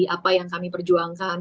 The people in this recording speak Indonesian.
apa yang kami perjuangkan